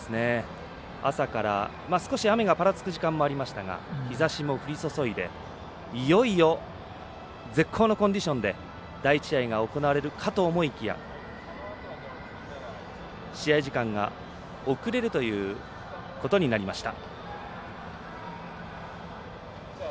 朝から、少し雨がぱらつく時間もありましたが日ざしも降り注いでいよいよ絶好のコンディションで第１試合が行われるかと思いきや試合時間が遅れるということになりました。